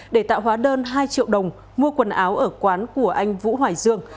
để tạo hóa đơn hai triệu đồng mua quần áo ở quán của anh vũ hoài dương